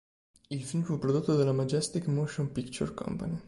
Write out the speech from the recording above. Il film fu prodotto dalla Majestic Motion Picture Company.